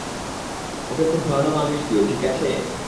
ওকে খুব ভাল মালিশ দিও, ঠিক আছে।